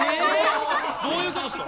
どういうことですか？